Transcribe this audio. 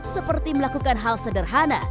seperti melakukan hal sederhana